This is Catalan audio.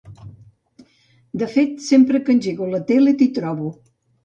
De fet, sempre que engego la tele t'hi trobo.